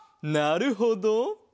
なるほど。